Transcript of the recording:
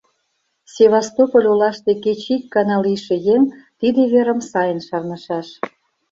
Севастополь олаште кеч ик гана лийше еҥ тиде верым сайын шарнышаш.